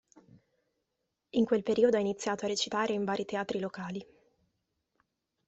In quel periodo ha iniziato a recitare in vari teatri locali.